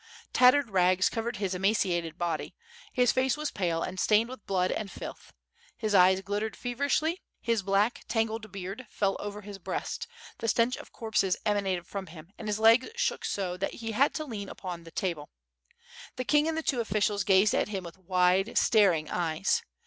Tattered rags covered his ema ciated body; his face was pale and stained with blood anH filth; his eyes glittered feverishly, his black, tangled beard fell over his breast; the stench of corpses emanated from him, and his legs shook so that he had to lean upon the table. The king and the two officials gazed at him with wide, staring eyes.